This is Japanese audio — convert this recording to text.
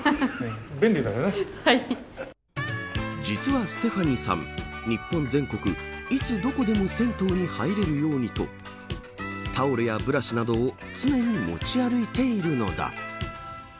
実は、ステファニーさん日本全国、いつどこでも銭湯に入れるようにとタオルやブラシなどを常に持ち歩いているのだ。